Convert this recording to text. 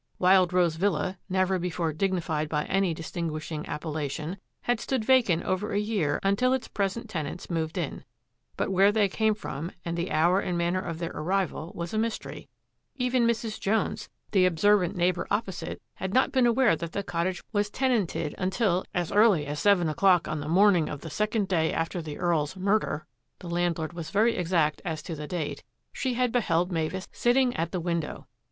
Wild Rose Villa, never before dignified by any distinguishing appellation, had stood vacant over a year until its present tenants moved in; but where they came from, and the hour and manner of their arrival was a mys tery. Even Mrs. Jones, the observant neighbour 166 THAT AFFAIR AT THE MANOR opposite, had not been awaxe that the cottage was tenanted until, as early as seven o'clock on the morning of the second day after the EarPs murder — the landlord was very exact as to the date — she had beheld Mavis sitting at the window.